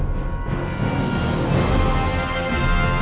ตอนต่อไป